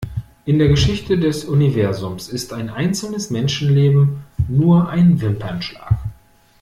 In der Geschichte des Universums ist ein einzelnes Menschenleben nur ein Wimpernschlag.